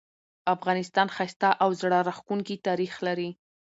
افغانستان ښایسته او زړه راښکونکې تاریخ لري